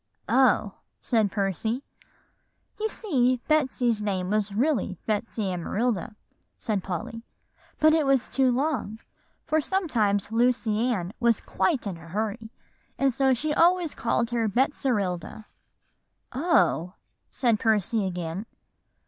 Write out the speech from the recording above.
"Oh!" said Percy. "You see, Betsy's name was really Betsy Amarilda," said Polly; "but that was too long, for sometimes Lucy Ann was in quite a hurry, and so she always called her Betserilda." "Oh!" said Percy again.